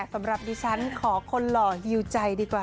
สำหรับดิฉันขอคนหล่อหิวใจดีกว่า